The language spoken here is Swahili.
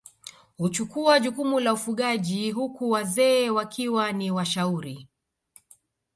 Huchukua jukumu la ufugaji huku wazee wakiwa ni washauri